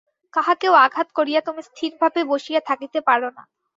কাহাকেও আঘাত করিয়া তুমি স্থিরভাবে বসিয়া থাকিতে পার না।